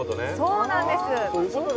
そうなんです。